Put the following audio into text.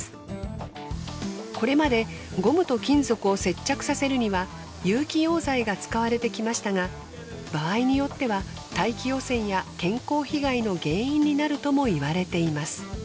これまでゴムと金属を接着させるには有機溶剤が使われてきましたが場合によっては大気汚染や健康被害の原因になるとも言われています。